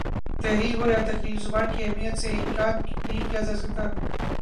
تحریر ہو یا تقریر زبان کی اہمیت سے انکار نہیں کیا جا سکتا